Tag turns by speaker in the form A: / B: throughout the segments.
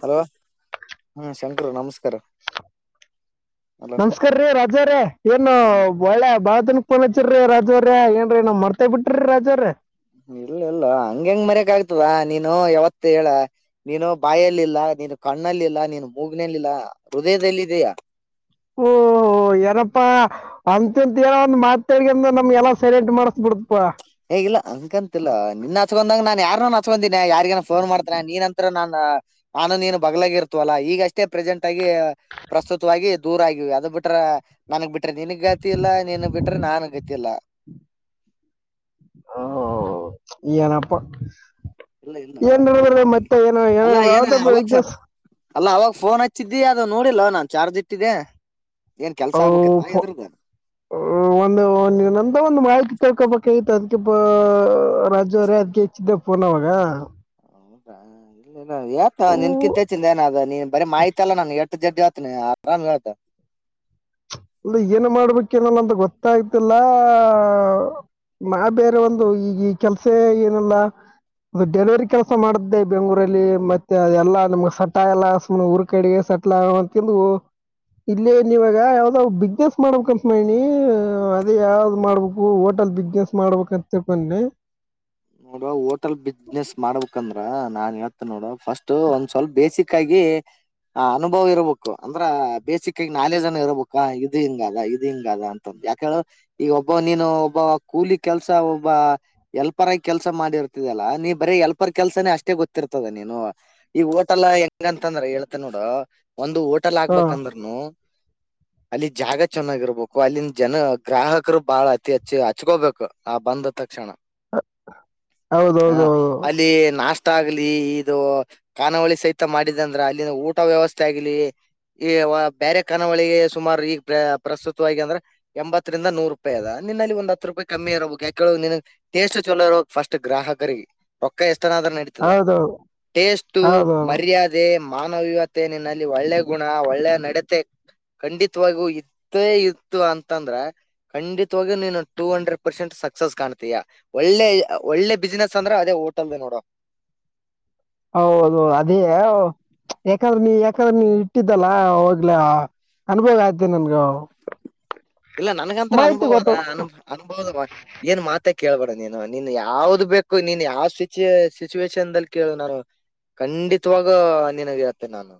A: hello ಹಾ ಶಂಕರು ನಮಸ್ಕಾರ hello
B: ನಮಸ್ಕಾರ ರೀ ರಾಜಾ ರ ಏನು
A: ಹ್ಮ್
B: ಒಳ್ಳೆ ಬಾಳ ದಿನಕ್ ಫೋನ್ ಹಚ್ಚೇರು ೀ ರಾಜು ಅವರೇ ಏನ್ರಿ ನಾವ್ ಮರ್ತೆ ಬಿಟ್ರೆ ರಾಜು ಅವರ
A: ಇಲ್ಲ ಇಲ್ಲ ಹಂಗಗೆ ಹೆಂಗ್ ಮರ್ಯಕ್ ಆಗ್ತದ ನೀನು ಯಾವತ್ತ ಹೇಳ ನೀನು ಬಾಯಲ್ಲಿ ಇಲ್ಲ ನೀನು ಕಣ್ಣಲ್ಲಿಲ್ಲಾ ನೀನು ಮೂಗಿನಲ್ಲಿಲ್ಲ ಹೃದಯದದಲ್ಲಿದಯಾ
B: ಓೋ ಯಾರಪ್ಪಾ ಅಂತಂತ ಏನ ಒಂದು ಮಾತಾಡಗ ಅಂದ ನಮ್ಗೆಲ್ಲ ಸರೆಲೆಂಟ್ ಮಾಡಸ್ಬ ಬಿಡತಪಾ
A: ಹೇಗಿಲ್ಲಾ ಅಂಕಂತಿಲ್ಲಾ ನಿನ್ ಹಚ್ಕಂದಂಗ ನಾನ್ ಯಾರು ಹಚ್ಕಂದಿನನೆ ಯಾರಿಗನ ಫೋನ್ ಮಾಡ್ತೇನೆ ನೀನ್ಂತ್ರ ನಾನ ಆನಂದ ಏನು ಬಗ್ಲಾಗಿರ್ತವ ಅಲ್ಲ ಈಗ ಅಷ್ಟೇ ಪ್ರೆಸೆಂಟ್ ಆಗಿ ಪ್ರಸ್ತುತವಾಗಿ ದೂರ ಆಗವಿ ಅದ ಬಿಟ್ಟ ಬಿಟ್ರ ನನ್ಗ್ ಬಿಟ್ರೆ ನನ್ಗ್ ಗತಿ ಇಲ್ಲಾ ನೀನ್ಗ್ ಬಿಟ್ರೆ ನನ್ಗ್ ಗತಿ ಇಲ್ಲ
B: ಹ ಈಏನಪ್ಪ
A: ಇಲ್ಲ ಇಲ್ಲ
B: ಏನ್
A: ಹಂಗೆ
B: ಮತ್ತೆ ಏನುಏ
A: ಅಲ್ಲ ಏನ
B: ಯಾವ್ದಪ್ಪ
A: ಅವಾಗ
B: ವಿಜ್ಞಸ್
A: ಅಲ್ಲ ಅವಾಗ ಫೋನ್ ಹಚ್ಚಿದ್ದಿ ಅದು ನೋಡಿಲ್ವಾ ನಾನ್ ಚಾರ್ಜ್ ಇಟ್ಟಿದ್ದೆ ಏನ್ ಕೆಲ್ಸ ಆಗ್ಬೇಕಿತ್ತ ಎದ್ರದ
B: ಒಂತ ಒಂದು ಮಾಹಿತಿ ಕಳ್ಕೊಬಾಗಿತ ಅದ್ಕ ರಾಜು ಅವ್ರೇ ಅದ್ಕ್ಕೆ ಹೆಚ್ಚಿದ್ದೆ ಪಫೋನ್ ಅವಾಗ
A: ಹೌದ ಇಲ್ಲ ನಿನ್
B: ಹ್ಮ್,
A: ಕಿಂತ ಚಿಂದ ಏನ ಅದ ನೀನ್ ಬರಿ ಮಾಹಿತಲ್ಲ ನನ್ ಜಡ್ಡಿ ಆತ ಆತನಾಗತ್ತ
B: ಅ ಏನು ಮಾಡ್ಬೇಕನಲ್ಲಂತ ಗೊತ್ತಾಯ್ತಿಲ್ಲ ಮಾ ಬೇರೆ ಒಂದು ಈಗ ಕೆಲ್ಸ ಏನಲ್ಲ ಅದು ಡೆಲಿವರಿ ಕೆಲಸ ಮಾಡ್ದೆ ಬೆಂಗಗಳೂರಲ್ಲಿ ಮತ್ತೆ ಅದೆಲ್ಲಾ ನಮ್ಗ್ ಸಟ ಆಗಲ್ಲ ಸಮ ಊರ್ ಕಡೆಗೆ ಸೆಟ್ಲ್ ಆಗಂತಂದು ಇಲ್ಲಿ ನೀವ ಯಾವ್ದ್ ಬಿಸ್ನೆಸ್ ಮಾಡ್ಬೇಕ ಅನ್ ಮಣಿ ಅದೇ ಯಾವ್ದ್ ಮಾಡ್ಬೇಕು ಹೋಟೆಲ್ ಬಿಸ್ನೆಸ್ ಮಾಡ್ಬೇಕ ಮತ್ತುತ್ತು ಕೊನ್ನ
A: ನೋಡ ಹೋಟೆಲ್ ಬಿಸ್ನೆಸ್ ಮಾಡ್ಬೇಕಂದ್ರ ನಾನ್ ಹೇಳ್ತೇನ ನೋಡ ಫಸ್ಟ್ ಒಂದ್ ಸ್ವಲ್ಪ ಬೇಸಿಕ್ ಆಗಿ ಹ ಅನುಭವ್ ಇರಬೇಕು ಅಂದ್ರ ಬೇಸಿಕ್ ಆಗಿ ನಾಲೆಜ್ ಅನ್ನ ಇರಬೇಕಾ ಇದು ಹಿಂಗದ ಇದು ಹಿಂಗಾದ ಅಂತ ಯಾಕ ಹೇಳ ಈಗ ಒಬ್ಬ ನೀನು ಒಬ್ಬ ಕೂಲಿ ಕೆಲ್ಸ ಒಬ್ಬ ಎಲ್ ಪರಾಗಿ ಕೆಲ್ಸ ಮಾಡಿರ್ತಿದಲ್ಲಾ ನೀ ಬರೀ ಎಲ್ಪರ್ ಕೆಲ್ಸಾನೇ ಅಷ್ಟೇ ಗೊತ್ತಿರ್ತದೆ ನೀನು ಈಗ ಹೋಟಲ್ ಹಂಗಂತಂದ್ರ ಹೇಳ್ತೆ ನೋಡ ಒಂದು ಹೋಟೆಲ್
B: ಹಾ
A: ಹಾಕ್ಬೇಕಂದ್ರನು ಅಲ್ಲಿ ಜಾಗ ಚೆನ್ನಾಗಿರ್ಬೇಕು ಅಲ್ಲಿನ ಜನ ಗ್ರಾಹಕರು ಬಾಳ ಅತಿ ಹಚ್ಚಿ ಹಚ್ಕೋಬೇಕು ನಾ ಬಂದ ತಕ್ಷಣ ಹ
B: ಹೌದೌದೌದು
A: ಅಲ್ಲಿ ನಾಸ್ ಊಟ ಆಗ್ಲಿ ಇದು ಕಾನಾವಳಿ ಸಹಿತ ಮಾಡಿದ ಅಂದ್ರ ಅಲ್ಲಿನ ಊಟ ವ್ಯವಸ್ಥೆ ಆಗ್ಲಿ ಈ ಬೇರೆ ಕನಾವಳಿಗೆ ಸುಮಾರು ಈಗ ಪ್ರಸ್ತುತವಾಗಿ ಅಂದ್ರೆ ಎಂಬತ್ತರಿಂದ ನೂರು ರೂಪಾಯಿ ಅದ ನಿನ್ನಲ್ಲಿ ಒಂದ ಹತ್ತು ರೂಪಾಯಿ ಕಮ್ಮಿ ಇರಬೇಕ ಯಕೇಳೋ ಟೇಸ್ಟ್ ಚಲೋ ಇರಕ್ ಫಸ್ಟ್ ಗ್ರಾಕರಿಗೆ ರೊಕ್ಕ ಎಷ್ಟು ನಡೀತದ
B: ಹೌದೌದು
A: ಟೇಸ್ು
B: ಹೌದೌದು
A: ಮರ್ಯಾದೆ ಮಾನವೀಯತನಿನಲ್ಲಿ ಒಳ್ಳೆ ಗುಣ ಒಳ್ಳೆ ನಡತೆ ಖಂಡತ್ವಾಗೂ ಇತ್ತುೇ ಇತ್ತು ಅಂತಂದ್ರೆ ಖಂಡತ್ವಾಗ ನೀನು ಟೂ ಹಂಡ್ರೆಡ್ ಪರ್ಸೆಂಟ್ ಸಕ್ಸಸ್ ಕಾಣ್ತೀಯಾ ಒಳ್ಳೆ ಒಳ್ಳೆ ಬಿಸ್ಿನೆಸ್ ಅಂದ್ರೆ ಅದೇ ೋಟಲ್ದ ನೋಡು
B: ಹೌದು ಅದೇ ಯಾಕಂದ್ರೆ ನೀ ಯಾಕಂದ್ರೆ ನೀ ಇಟ್ಟಿದ್ದಲ್ಲಾ ಹೋಗ್ಲ ಅನುಭವ ಆಯ್ತ ನಗಾಾವ
A: ಇಲ್ಲ ನನ್ಗಂತತ್ರ ಅನುಭವ ಅದ ಅನು ಅನುಭವದ ಏನ್ ಮಾತ ಕೇಳ್ಬಾರು ನೀನು ನಿನ್ ಯಾವ್ದ್ ಬೇಕು ನೀನ್ ಯಾವ್ ಸಿಚ ಸಿಚುವೇೇಶನ್ಲ್ಲಿ ಕೇಳ ನಾನು ಖಂಡಿತವಾಗ ನಿನಗತ್ತೆ ನಾನು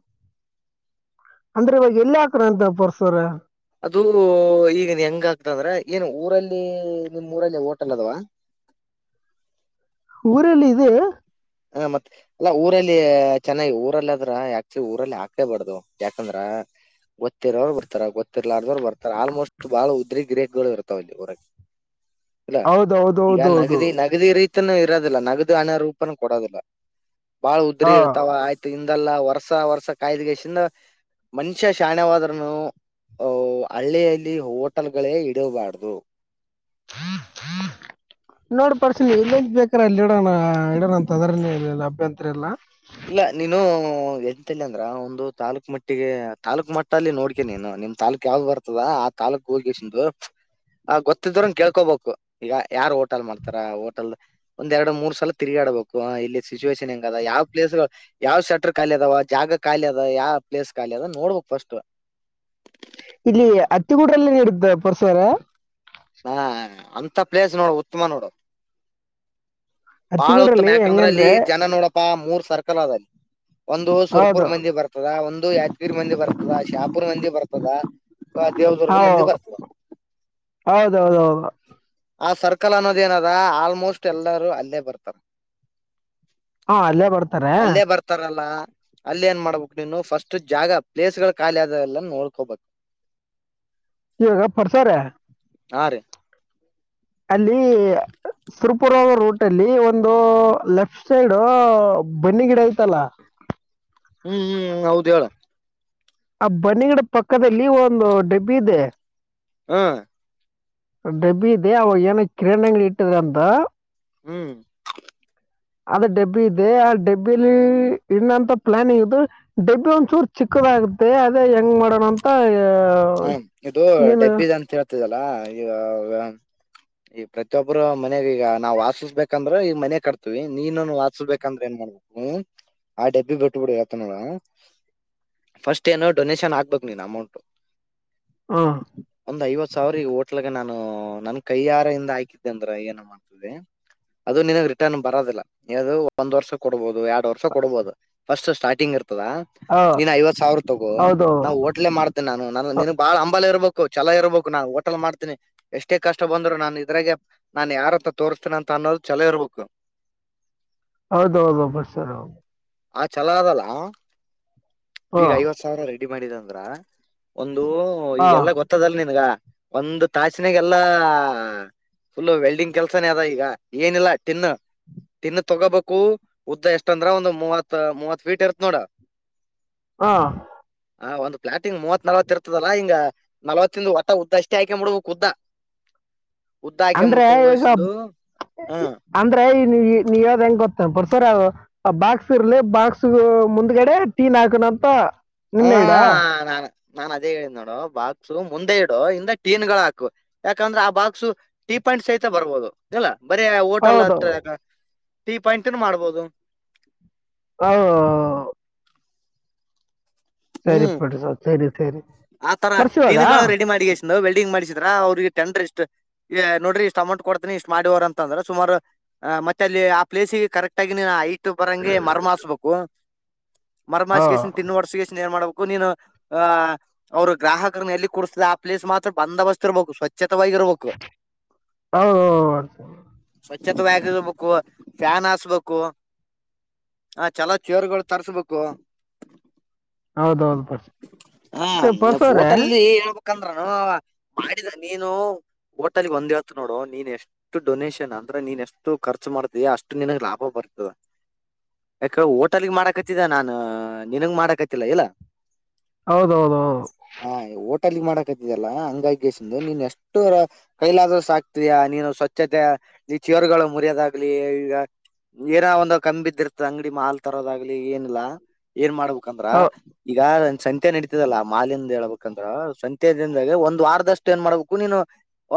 B: ಅಂದ್ರೆ ಇವಾಗ ಎಲ್ಲಿಾಕ್ರ ಅಂತ ಪರ್ಸ್ರ
A: ಅದು ಈಗನ್ ಹೆಂಗ ಆಗ್ತ ಅಂದ್ರ ಏನು ಊರಲ್ಲಿ ನಿಮ್ ಊರಲ್ಲಿ ಓಟಲ್ಲ ಅದವಾ [unintelligible]
B: ಊರಲ್ಲಿ ಇದು
A: ಹ ಮತ್ ಎಲ್ಲ ಊರಲ್ಲಿ ಚೆನ್ನಾಗಿ ಊರಲ್ಲ ಆದ್ರ ಆಕ್ಚುಲಿ ಊರಲ್ಲಿ ಹಾಕೇಬಾರ್ದು ಯಾಕಂದ್ರ ಗೊತ್ತಿರೋರು ಬರ್ತಾರ ಗೊತ್ತಿರ್ಲಾರವ್ರು ಬರ್ತಾರ ಆಲ್ಮೋಸ್ಟ್ ಬಹಳ ಉದ್ರಿ ಗ್ರೇಕ್ಗಳು ಇರ್ತಾವ ಅಲ್ಲಿ ಹೊರಗೆ ಅಲ್ಲ
B: ಹೌದು ಹೌದು
A: ಈಗ
B: ಹೌದು ಹೌದು
A: ನಗದಿ ನಗದಿ ರೀತಿ ಇರೋದಿಲ್ಲ ನಗದು ಅಣ ರೂಪನ ಕೊಡೋದಿಲ್ಲ ಬಾಳ ಉದ್ರಿ
B: ಹಾ
A: ಇರ್ತಾವ ಆಯ್ತು ಇ ಇದಲ್ಲ ವರ್ಸ ವರ್ಸ ಕಾಯ್ದಿಗೆಸಿಂದ ಮನುಷ್ಯ ಶಾಣೆವಾದ್ನು ಅ ಹಳ್ಳಿಯಲ್ಲಿ ಹೋಟಲ್ ಗಳೇ ಇಡಬಾರ್ದು
B: ್ಮ ನೋಡ್ ಪರ್ಸ ನೀ ಇ ಬೇಕಾರಲ್ಲಿ ಇಡ ಇಡ ನ ತದರನ ಇಲ್ಲ ಅಭ್ಯಂತರ ಎಲ್ಲಾ
A: ಇಲ್ಲ ನೀನು ಎಂತ ಅಂದ್ರ ಒಂದು ತಾಾಲೂಕ್ ಮಟ್ಟಿಗೆ ತಾಲೂಕ್ ಮಟ್ಟ ಅಲ್ಲಿ ನೋಡ್ಕ ನೀನು ನಿಮ್ ತಾೂಕ್ ಯಾವ್ದು ಬರ್ತದ ಆ ತಾಾಲಕ್ ಹೋಗಸಂದು ಆ ಗೊತ್ತಿದ್ರುಂಗ ಕೇಳ್ಕೋಬೇಕು ಈಗ ಯಾರ್ ಹೋಟೆಲ್ ಮಾಡ್ತಾರ ಹೋಟೆಲ್ ಒಂದ್ರಡು ಮೂರ್ ಸಲ ತಿರ್ಗಾ ಡಬೇಕು ಇಲ್ಲಿ ಸಿಚುುವೇಶಷನ್ ಹೆಂಗ ಅ ಯಾವ ಪ್ಲೇಸ್ ಯಾವ್ ಸೆಕ್ಟರ್ ಖಾಲಿ ಅದಾವ ಜಾಗ ಖಾಲಿ ಅದ ಯಾವ ಪ್ಲೇಸ್ ಾಲಿ ಅದ ನೋಡ್ಬಬೇಕಕ್ ಫಸ್ಟ್ [inaudible]
B: ಇಲ್ಲಿ ಹತ್ತಿಗೂಡಲ್ಲ ನೀುತ್ತೆ ಪರ್ಸರ
A: ಹಾ ಅಂತ ಪ್ಲೇಸ್ ನೋಡು ಉತ್ತಮ ನೋಡು ಬಾಳ
B: ಅತ್ತಿಗೂಡ್ರಲ್ಲಿ
A: ಉತ್ತಮ ಯಾಕಂದ್ರೆ ಅಲ್ಲಿ
B: ಹೆಂಗಂದ್ರೆ
A: ಜನ ನೋಡಪ್ಪಾ ಮೂರ್ ಸರ್ಕಲ್ ಅದಲ್ಲಿ ಒಂದು ಸುರ್ಪುರ್
B: ಹೌದು
A: ಮಂದಿ ಬರ್ತದ ಒಂದು ಯಾಜಗೀರಿ ಮಂದಿ ಬರ್ತದ ಶಾಪುರ್ ಮಂದಿ ಬರ್ತದ
B: ಹ
A: ದೇವದುರ್ಗ ಮಂದಿ ಬರ್ತದ
B: ಹೌದೌದ ಹೌದು
A: ಆ ಸರ್ಕಲ್ ಅನ್ನೋದ ಏನದ ಆಲ್ಮೋಸ್ಟ್ ಎಲ್ಲರೂ ಅಲ್ಲೇ ಬರ್ತಾರ
B: ಹಾ ಅಲ್ಲೇ ಬರ್ತಾರೆ
A: ಅಲ್ಲೇ ಬರ್ತಾರಲ್ಲ ಅಲ್ಲ ಏನ್ ಮಾಡ್ಬೇಕಕ್ು ನೀನು ಫಸ್ಟ್ ಜಾಗ ಪ್ಲೇಸ್ ಗಳು ಖಾಲಿ ಆದ ಎಲ್ಲ ನೋಡ್ಕೋಬೇಕು [inaudible]
B: ಇಾಗ ಪರ್ಸರ
A: ಹಾ ರೀ
B: ಅಲ್ಲಿ ಸುರಪುರ ರೂಟ್ ಅಲ್ಲಿ ಒಂದು ಲೆಫ್ಟ್ ಸೈಡ್ ಬನ್ನಿ ಗಿಡ ಆಯ್ತಲ್ಲಾ
A: ಹ್ಮ್ ಹ್ಮ್ ಹೌದ್ ಹೇಳ
B: ಆ ಬನ್ನಿಗಡ ಪಕ್ಕದಲ್ಲಿ ಒಂದು ಡಬ್ಬಿ ಇದೆ
A: ಹಾ
B: ಡಬ್ಬಿದೆ ಅವಾಗ ಏನ ಕಿರಾಣಿಂಗ ಇಟ್ಟಿದ್ರ ಅಂತ
A: ಹ್ಮ್
B: ಅದ ಡಬ್ಬಿ ಇದೆ ಆ ಡಬ್ಬಿಲಿ ಇನ್ನಂತ ಪ್ಲಾನ್ಿಂಗದು ಡಬ್ಬಿ ಒಂದ್ಸೂರು ಚಿಕ್ಕ ಆಗುತ್ತೆ ಅದೇ ಹೆಂಗ್ ಮಾಡೋಣ ಅಂತ ಆ,
A: ಹ್ಮ ಇದು
B: ನೀನು
A: ಡಬ್ಬಿದ ಅಂತ ಹೇಳ್ತಿದಲ್ಲಾ ಈಗ ಈ ಪ್ರತಿಯೊಬ್ಬರು ಮನೆಾಗ ಈಗ ನಾವವು ವಾಸಿಸಬೇಕಂದ್ರೆ ಈಗ ಮನೆ ಕಟ್ತೀವಿ ನೀನು ವಾಸಿಸ್ಬೇಕಂದ್ರೆ ಏನ್ ಆ ಡಬ್ಬಿ ಬಿಟ್ಬಿಡು ಇತ ನೋಡ ಫಸ್ಟ್ ಏನು ಡೊನೇೇಶನ್ ಆಗ್ಬೇಕು ನೀನ್ ಅಮೌಂಟ್ು
B: ಹಾ
A: ಒಂದ್ ಐವತ್ ಸಾವಿರ ಹೋಟ್ಲಾಗ ನಾನು ನನ್ ಕೈಹಾರ ಇಿಂದ ಹಾ್ಕಿದ್ದೆ ಅಂದ್ರ ಏನ ಮಾಡ್ತದೆ ಅದು ನಿನಗ್ ರಿಟರ್ನ್ ಬರೋದಿಲ್ಲ ಅದು ಒಂದ್ ವರ್ಷ ಕೊಡಬಹುದು ಎರಡ್ ವರ್ಷ ಕೊಡಬಹುದು ಫಸ್ಟ್ ಸ್ಟಾರ್ಟಿಂಗ್ ಇರ್ತದೆ ನೀನ್ ಐವತ್ ಸಾವಿರ ತಗೋ
B: ಹೌದು
A: ನಾವು ಹೋಟ್ಲೆೇ ಮಾಡ್ತೇನೆ
B: ಅ-
A: ನಾನು ಬಾಳ ಅಂಬ ಇರಬೇಕು ಚಲ ಇರ್ಬೇಕು ನಾು ಹೋಟೆಲ್ ಮಾಡ್ತೀನಿ ಎಷ್ಟೇ ಕಷ್ಟ ಬಂದ್ರು ನಾನನ್ ಇದ್ರಾಗ ನಾನ್ ಯಾರತ್ರ ತೋರ್ ನಂತ ಅನ್ನೋದು ಛಲೋ ಇರ್ಬೇಕು
B: ಹೌದುಬಬರ್ಸರ
A: ಆ ಚಲೋ ಅದಲ್ಲ ಈಗ ಐವತ್ ಸಾವಿರ ರೆಡಿ ಮಾಡಿದ ಅಂದ್ರ ಒಂದು
B: ಹಾಂ
A: ಈಗೆಲ್ಲ ಗೊತ್ತದಲ್ ನಿನ್ಗ ಒಂದು ತಾಸಿನಾಗಲ್ಲಾ ಫುಲ್ ವೆಲ್ಡಿಂಗ್ ಕೆಲ್ಸಾನೇ ಅದ ಈಗ ಏನಿಲ್ಲಾ ಟಿನ್ ತಿನ್ನ ತಗೋಬೇಕು ಉದ್ದ ಎಷ್ಟ ಅಂದ್ರ ಒಂದು ಮೂವತ್ ಮೂವತ್ ಫೀಟ್ ಇರತ್ ನೋಡ
B: ಹಾ
A: ಆ ಒಂದ್ ಪ್ಲಾಟಿಂಗ ಮೂವತ್ ನಲ್ವತ್ತ ಇರ್ತದಲ್ಲ ಹಿಂಗ ನಲ್ವತ್ತಂದು ಹೊಊಟ ಉದ್ದ ಅಷ್ಟೇ ಆಾಕಂಬ ಬಿಡು ಕ ಉುದ್ದ [inaudible]
B: ಅಂದ್ರೆ ಈಗ
A: ಹ್ಮ್
B: ಅಂದ್ರೆ ನೀ ಯ್ದ ಹೆಂಗ ಗೊತ್ತ ಬ ಸರ್ ಅದು ಆ ಬಾಕ್ಸ್ ಇರ್ಲಿ ಬಾಕ್ಸ್ ಮುಂದ್ಗಡೆ ಟೀನ್ ಹಾಕಣ ಅಂತ
A: ಹಾ
B: ನಿನ್ನೆ ಇಡಾ
A: ನಾನ್ ನಾನ್ ಅದೇ ಹೇಳಿದ್ದ್ ನೋಡು ಬಾಕ್ಸು ಮುಂದೆ ಇಡು ಇಿಂದ ಟೀನ್ ಹಾಕು ಯಾಕಂದ್ರ ಆ ಬಾಕ್ಸ ಪಾಯಿಂಟ್ ಸಹತ ಬರ್ಬಹುದು ಇಲ್ಲಾ ಬರೀ ಓಟಲ್
B: ಹೌದು
A: ಹತ್ರ ಟೀ ಪಾಯಿಂಟ್ನು ಮಾಡ್ಬೋದು
B: ಹ ಸರಿ
A: ಹ್ಮ್
B: ಪಟ್ಟ ಸ ಸರಿ ಸರಿ
A: ಆತರ
B: ಪರ್ಸ್ ಇವಾಗ
A: ದಿನಗಳು ರೆಡಿ ಮಾಡಗಷ್ಟ ವೆಲ್ಡಿಂಗ್ ಮಾಡ್ಿಸಿದ್ರ ಅವ್ರಿಗೆ ಟೆಂಡರ್ ಎಷ್ಟು ನೋಡರಿ ಇಷ್ಟ ಅಮೌಂಟ್ ಕೊಡ್ತನಿ ಇಷ್ಟ್ ಮಾಡವರ್ ಅಂದ್ರ ಸಮಾರು ಮತ್ತೆ ಅಲ್ಲಿ ಆ ಪ್ಲೇಸಿಗೆ ಕರೆಕ್ ಆಗಿ ನೀ ಇ ಬರಂಗೆ ಮರ್ಮಸ್ಬೇಕು ಮರಮಿಗೇಶಸನ್ ತಿನ್
B: ಹೌದು
A: ವರ್ಷಗೆಸನ್ ಏನ್ ಮಾಡ್ಬೇಕು ನೀನು ಅ ಅವ್ರು ಗ್ರಾಹಕರ ಎಲ್ಲಿ ಕುಡಸತ ಆ ಪ್ಲೇಸ್ ಮಾತ್ರ ಬಂದ ಬಸ್ತಿ ಇರ್ಬೇಕು ಸ್ವಚ್
B: ಹತ
A: ಚತುವಗರ್ಬೇಕು ಫ್ಯಾನ್ ಹಸ್ಬೇಕು ಹಾ ಚಲೋ ಚೇರ್ಗಳು ತರ್ಸ್ಬೇಕು
B: ಹೌದು ಪರ್ಸ್
A: ಹಾ
B: ಏ ಪರ್ಸ್ ಅವ್ರೆ
A: ಫೋಟಲ್ಲಿ ಹೇಳ್ಬ ಅಕಂದ್ರನು ಅವ ಮಾಡಿದ ನೀನು ಹೋಟಲ್ಗ್ ಒಂದ್ ಹಳ್ತ ನೋಡು ನೀನ್ ಎಷ್ಟು ಡೊನಷನ್ ಅಂದ್ರೆ ನೀನ್ ಎಷ್ಟು ಖರ್ಚ ಮಾಡತೀಿ ಅಷ್ಟು ನಿಿನಗ್ ಲಾಭ ಬರ್ತ ಯಾಕ ಹೋಟಲ್ಗ್ ಮಾಡಕತ್ತಿದ ನಾನ ನಿನಗ್ ಮಾಡಕತ್ತಲ್ಲ ಇಲ್ಲ
B: ಹೌದೌದ ಹೌದು
A: ಲ್ಲಿ ಮಾಡಕತ್ತಿದಲ್ಲ ಅಂಗಗಸಂದು ನೀನ್ ಎಷ್ಟು ಕೈಲಾದ್ರ ಆಕ್ತಯಾ ನೀನು ಸ್ವಚ್ಛತೆ ನೀ ಚವರುಗಳು ಮುರಿಯೋದಾಗ್ಲಿ ಈಗ ಏನ ಒಂದ್ ಕಮ್ಮಿ ಬಿದಿರ್ತದ ಅಂಗಡಿ ಮಾಲ್ ತರೋದಾಗ್ಲಿ ಏನಿಲ್ಲಾ ಏನ್ ಮಾಡ್ಬ ಹಾಕಂದ್ರ
B: ಹೌದು
A: ಈಗ ಸಂತೆ ನಡೀತದಲ್ಲ ಮಾಲಿಂದ ಹೇಳ್ಬೇಕಂದ್ರ ಸಂತೆ ದಿಂದಾಗ ಒಂದ್ ವಾರದಷ್ಟು ಏನ್ ಮಾಡ್ಬೇಕು ನೀನು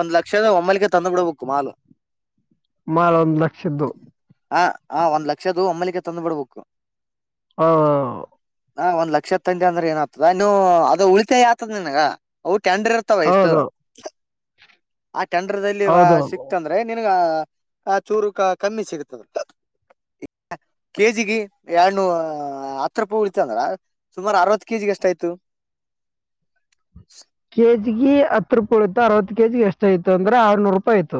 A: ಒಂದ್ ಲಕ್ಷದ ಒಮ್ಮಲ್ಿಗೆ ತಂದು ಬಿಡ್ಬೇಕು ಮಾಲ್
B: ಮಾಲ್ ಒಂದು ಲಕ್ಷದ್ದು
A: ಹ ಹ ಒಂದ್ ಲಕ್ಷದು ಒಮ್ಮಲಕ್ಕೆ ತಂದು್ ಬಿಡ್ಬೇಕು
B: ಹಾ
A: ನಾ ಒಂದ್ ಲಕ್ಷ ತಂದೆ ಅಂದ್ರೆ ಏನ್ ಆಗ್ತದ ನೀನ್ನು ಅದ ಉಳಿತಾಯ ಆತದ ನನ್ಗ ಕೆಂಡ್ರಿ ಇರ್ತ ವಯಸ್ತು
B: ಹೌದು
A: ಟೆಂಡರ್ಲ್ಲಿ
B: ಹೌದು
A: ಸಿಕ್ತಂದ್ರೆ ನನ್ಗ ಆ ಚೂರು ಕಮ್ಮಿ ಸಿಗತದ ಕೆಜಿಿಗೆ ಎಡ್ನೂ ಹತ್ರಪೂ ಂದ್ರ ಸುಮಾರ ಅರವತ್ತು ಕೆಜಿ ಎಷ್ಟ ಆಯ್ತು
B: ಕೆಜಿಿಗೆ ಹತ್ತು ರೂಪಾಯಿ ಉಯತ ಅರ್ವತ್ತು ಕೆಜಿ ಎಷ್ಟು ಆಯ್ತು ಅಂದ್ರೆ ಆರ್ನೂರು ರೂಪಾಯಿಯ್ತು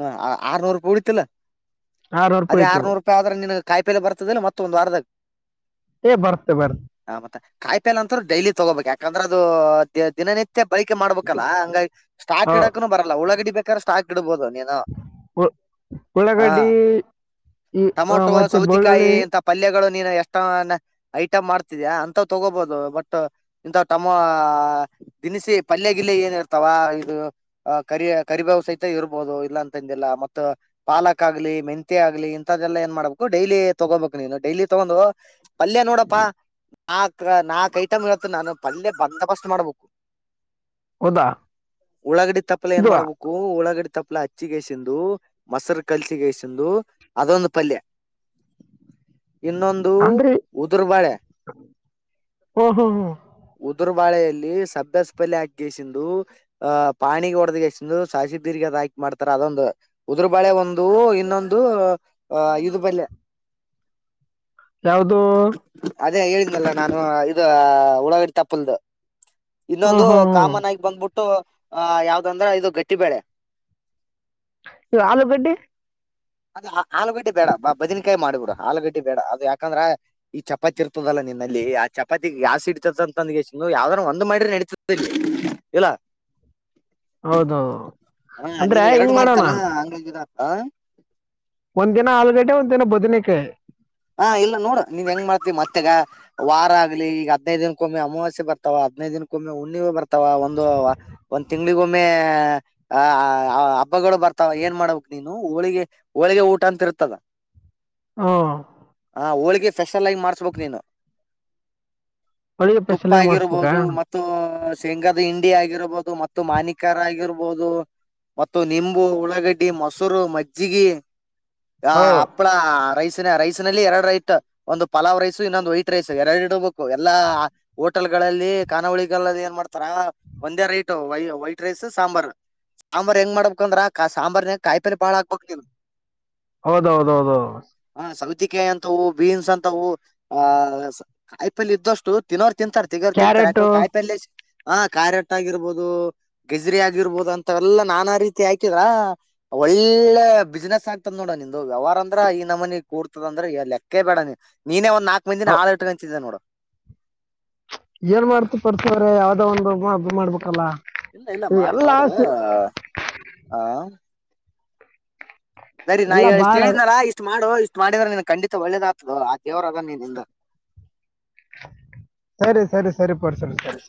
A: ಹ ಆರ್ನೂರು ರೂಪಾಯಿ ಉಡತಿಲ್ಲ
B: ಆರ್ನೂರು ರೂಪಾಯಿ
A: ಅದೇ
B: ಆಯ್ತು
A: ಆರ್ನೂರು ರೂಪಾಯಿ ಆದ್ರಾಗ ನಿನ ಕಾಯಿ ಪೇಲೆ ಬರ್ತದಲ್ಲ ಮತ್ತ ಒಂದು ವಾರದಾಗ
B: ಬರ್ತೆ ಬರ್
A: ಕಾಯಿ ಪೆಲ್ ಅಂತರು ಡೈಲಿ ತಗೋಬೇಕ್ ಯಾಕಂದ್ರ ಅದು ದ ದಿನನಿತ್ಯ ಬಳಕೆ ಮಾಡ್ಬೇಕಲ್ಲಾ ಹಂಗ ಸ್ಟಾಕ್ ಇಡಕ್ನು ಬರಲ್ಲಳಗಡಿ ಬೇಕಾರೆೆ ಸಾಕ್ ಇಡಬಹದು
B: ಒ ಒಳಗಡಿ
A: ಟೊಮೊಟೊ ಸೌತೆಕಾಯಿ ಇಂತ ಪಲ್ಯಗಳು ನೀನು ಎಷ್ಟ ಐಟಮ್ ಮಾಡ್ತಿದ್ಯಾ ಅಂತ ತಗೋಬಹದು ಬಟ್ ಇಂತ ಟಮೋ ದಿನಸಿ ಪಲ್ಯ ಗಿಲ್ಲ ಏನ್ ಇರ್ತಾವ ಇದು ಕರಿ ಕರಿಬವು್ ಸಹಿತ ಇರ್ಬೋದು ಅಂತಂದಿಲ್ಲ ಮ ಪಾಲಕ್ ಆಗ್ಲಿ ಮೆಂತೆ ಆಗ್ಲಿ ಇಂತದ್ದೆಲ್ಲ ಏನ್ ಮಾಡ್ಬೇಕು ಡೈಲಿ ತಗೋಬೇಕು ನೀನು ಇಲ್ಲಿ ತಗೊಂಡು ಪಲ್ಯ ನೋಡಪ್ಪಾ ನಾಕ್ ನಾಕ್ ಐಟಮ್ ಇರತ್ತ ನಾನು ಪಲ್ಯ ಬಂದಫಸ್
B: ಹೌದಾ
A: ಉಳಾಗಡಿ ತಪ್ಪಲ ಏನ್
B: ಇದು
A: ಮಾಡ್ಬೇಕು ಉಳಾಗಡಿ ತಪ್ಪಲ ಹ ಹಚ್ಚಿಗೆಸಂದು ಮೊರು ಕಲ್ಚಿಗೆಸಂದು ಅದೊಂದು ಪಲ್ಯ ಇನ್ನೊಂದು
B: ಅಂದ್ರೆ
A: ಉದುರ್ಬಾಳೆ
B: ಹ್ಞೂ ಹ್ಞೂ ಹ್ಞೂ
A: ಉದುರ್ ಬಾಳೆಯಲ್ಲಿ ಸಬ್ಬೆ ಸಪಲ್ಲೆ ಹಾಕಿಸಂದು ಅಹ್ ಪಾಣಿ ಹೊಡೆದಗೆಸ ಸಾಸಿ ಬೀರ್ಗ ಹಾಕಿ ಮಾಡ್ತಾರ ಅದೊಂದು ಉದುರು ಬಾಳೆ ಒಂದು ಇನ್ನೊಂದು ಅ ಇದು ಬಳೆ ಹಾ
B: ಯಾವ್ದ
A: ಅದೇ ಹೇಳಿದ್ದಲ್ಲ ನಾನು ಇದು ಉಳಗಡಿ ತಪ್ಪಲ್ದು
B: ಹ್ಞೂ
A: ಇನ್ನೊಂದು
B: ಹ್ಞೂ ಹ್ಞೂ
A: ಕಾಮನ್ ಆಗಿ ಬಂದ್ಬಿಟ್ಟು ಆ ಯಾವ್ದಂದ್ರ ಇದು ಗಟ್ಟಿಬಳೆ
B: ಇವು ಆಲೂಗಡ್ಡಿ
A: ಅದ ಆಲೂಗಡ್ಡಿ ಬೇಡ ಬ ಬದನಕಾಯಿ ಮಾಡಿಬಿಡ ಆಲೂಗಡ್ಡಿ ಬೇಡ ಅದು ಯಾಕಂದ್ರ ಈ ಚಪಾತಿ ಇರ್ತದಲ್ಲ ನಿನ್ನಲ್ಲಿ ಆ ಚಪಾತಿಗಿ ಯಾಸ್ ಇಡ್ತದ ಅಂತಂದ ಯಾವ್ದಾರ ಒಂದ್ ಮಾಡ್ರಿ ನಡತದೆಲ್ಲಿ ಇಲ್ಲಿ
B: ಹೌದು
A: ಹ
B: ಅಂದ್ರೆ
A: ನೀನ್ ಎರಡು
B: ಹಿಂಗ್ ಮಾಡೋಣ
A: ಮಾಡ್ತಲ್ಲ ಹಂಗ ಆಗಿ ಇದ ಆ
B: ಒಂದ್ ದಿನ ಆಲೂಗಡ್ಡೆ ಒಂದ್ ದಿನ ಬದನಕಾಯಿ
A: ಹಾ ಇಲ್ಲ ನೋಡ ನೀವ್ ಹೆಂಗ್ ಮಾಡ್ತಿವಿ ಮತ್ತೆಗ ವಾರ ಆಗ್ಲಿ ಈಗ ಹದಿನೈದು ದಿನಕ್ಕೊಮ್ಮೆ ಅಮಾವಾಸ್ಯ ಬರ್ತಾವ ಹದ್ನೈದ ದಿನಕ್ಕೊಮ್ಮೆ ಉಣ್ಣಿವ ಬರ್ತಾವ ಒಂದು ಒ ಒಂದ ತಿಂಗಳ ಹುಣ್ಣಿಮೆ ಗೊಮ್ಮೆ ಆ ಆ ಹಬ್ಬಗಳು ಬರ್ತಾವ ಏನ್ ಮಾಡ್ಬೇಕ ನೀನು ಹೋಳಗಿ ಹೋಳಿಗಿ ಊಟ ಊಟಂತಿರುತ್ತಲ್ಲ
B: ಹಾ
A: ಹಾ ಹೋಳಿಗೆ ಫೆಷಲ್ ಆಗಿ ಮಾಡಿಸಬೇಕು ನೀನು
B: ಅಡುಗೆ
A: ತುಪ್ಪ
B: ಸ್ಪೆಷಲ್ ಆಗಿ ಮಾಡಿಸ್ಬೇಕಾ
A: ಆಗಿರ್ಬಹುದು ಮತ್ತು ಉ ಶೇಂಗಾದ ಹಿಂಡಿ ಆಗಿರ್ಬೋದು ಮತ್ತು ಮಾನಿಕರ ಆಗಿರ್ಬೋದು ಮತ್ತು ನಿಂಬು ಉಳ್ಳಾಗಡ್ಡಿ ಮೊಸರು ಮಜ್ಜಗಿ ಹ
B: ಹೌ
A: ಅಪ್ಳಾ ರೈಸಿನ ರೈಸ್ ಲ್ಲಿ ಎರಡು ರೈಟ್ ಒಂದು ಪಲಾವ್ ರೈಸ್ ಇನ್ನೊಂದು ವೈಟ್ ರೈಸ್ ಎರಡು ಇಡಬೇಕು ಎಲ್ಲಾ ಹೋಟೆಲ್ಗಳಲ್ಲಿ ಖಾನಾವಳಿಗಲ್ಲ ಏನ್ ಮಾಡ್ತಾರ ಒಂದೇ ರೈಟ್ ವೈ ವೈಟ್ ರೈಸ್ ಸಾಂಬಾರ್ ಸಾಂಬಾರ್ ಹೆಂಗ್ ಮಾಡ್ಬೇಕಂದ್ರ ಸಾಂಬಾರನ್ಗ ಕಾಯಿಪೇಲ್ಲೆ ಬಾಳ ಹಾಕ್ಬಬೇಕ್ ನೀವು
B: ಹೌದ ಹೌದೌದೌದು
A: ಸೌತಿಕಾಯಿ ಅಂತವು ಬೀನ್ಸ್ ಅಂತವು ಆ ಕಾಯಿ ಪಲ್ಯ ಇದ್ದಷ್ಟು ತಿನ್ನೋರ್ ತಿಂತರ ತಿಗರ್ತತಾಂರ
B: ಕ್ಯಾರೆಟ್
A: ಕಾಯಪಲ್ಯ ಹ ಕಾರೆಟ್ಟ ಆಗಿರ್ಬೋದು ಗಜ್ರಿ ಆಗಿರ್ಬೋದು ಅಂತ ಎಲ್ಲಾ ನಾನಾ ರೀತಿ ಹಾಕಿದ್ರ ಹಾ ಒಳ್ಳೆ ಬಿಸ್ನೆಸ್ ಆಗ್ತದ ನೋಡ ನಿಂದು ವ್ಯವಹಾರ ಅಂದ್ರ ಈ ನಮ್ಮನ ಕೂಡ ಅಂದ್ರೆ ಲೆಕ್ಕೇ ಬೇಡ ನೀನೆ ಒಂದ್ ನಾಕ್ ಮಂದಿನಾಳ ಇುಟಗೊತಿ ನೋಡು
B: ಏನ್ ಮಾಡ್ತಿ ಪರ್ತವ್ರ ಯಾವ್ದೋ ಒಂದ ಹಬ್ಬ ಮಾಡ್ಬೇಕಲ್ಲಾ
A: ಇಲ್ಲ ಇಲ್ಲ ಮಾಡ ಮಾಡು ಹ ಹ ಸರಿ ನಾ
B: ಎಲ್ಲಾ
A: ಹೇಳಷ್ಟು
B: ಬಾಳ
A: ಹೇಳದನಾಲ ಇಷ್ಟು ಮಾಡುವ ಇಷ್ಟು ಮಾಡಿದ್ರ ನಿನ್ ಖಂಡಿತ ಒಳ್ಳೇದಾಗ್ತದ ಆ ದೇವರ ಅದನ ನಿನ್ ಹಿಂದ
B: ಸರಿ ಸರಿ ಸರಿ ಪರ್ ಸರಿ ಸರಿ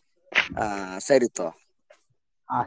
A: ಹಾ ಸರಿತೋ
B: ಆ